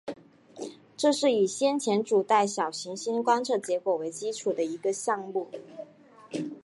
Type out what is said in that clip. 这是以先前主带小行星观测结果为基础的一个项目。